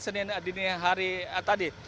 senin hari tadi